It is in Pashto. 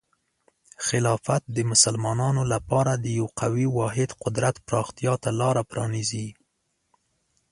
خلافت د مسلمانانو لپاره د یو قوي واحد قدرت پراختیا ته لاره پرانیزي.